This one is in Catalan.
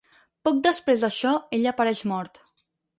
Poc després d’això, ell apareix mort.